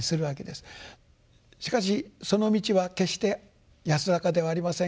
しかしその道は決して安らかではありません。